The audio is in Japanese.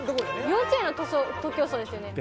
幼稚園の徒競走ですよね。